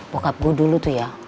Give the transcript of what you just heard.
bokap gue dulu tuh ya